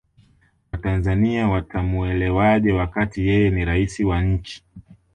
watanzania watamuelewaje wakati yeye ni raisi wa nchi